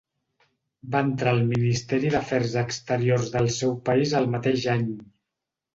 Va entrar al Ministeri d'Afers Exteriors del seu país el mateix any.